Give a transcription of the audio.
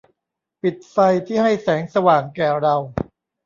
ปิดไฟที่ให้แสงสว่างแก่เรา